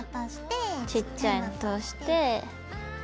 ちっちゃいの通して。